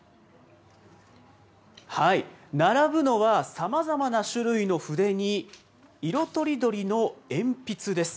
並ぶのは、さまざまな種類の筆に色とりどりの鉛筆です。